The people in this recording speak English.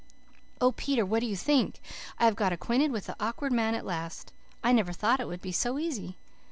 "Oh, Peter, what do you think? I have got acquainted with the Awkward Man at last. I never thought it would be so easy.